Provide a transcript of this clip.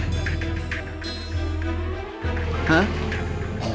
hah enggak mas